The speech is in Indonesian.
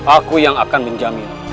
aku yang akan menjaminmu